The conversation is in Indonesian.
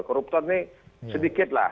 koruptor ini sedikit lah